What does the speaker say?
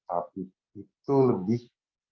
tapi itu lebih